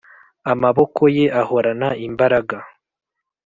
amaboko ye ahorana imbaraga